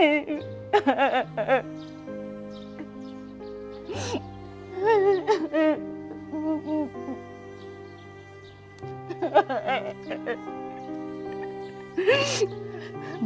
มึง